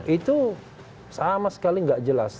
itu sama sekali tidak jelas